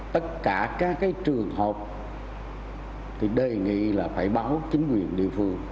tất cả các trường hợp thì đề nghị là phải báo chính quyền địa phương